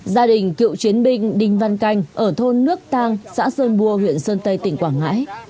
gia đình cựu chiến binh đinh văn canh ở thôn nước tang xã sơn bua huyện sơn tây tỉnh quảng ngãi